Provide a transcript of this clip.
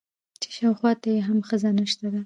چې شاوخوا ته يې هم ښځه نشته ده.